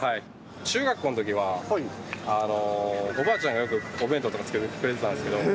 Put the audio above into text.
中学校のときは、おばあちゃんがよくお弁当とか作ってくれてたんですけど。